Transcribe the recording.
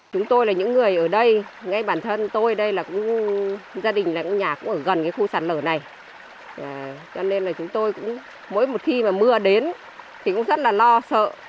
chúng tôi cũng mỗi một khi mà mưa đến thì cũng rất là lo sợ